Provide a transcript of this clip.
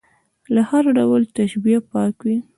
له هر ډول تشبیه پاک وي.